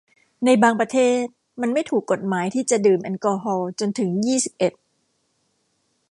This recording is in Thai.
ในบางประเทศมันไม่ถูกกฎหมายที่จะดื่มแอลกอฮอล์จนถึงยี่สิบเอ็ด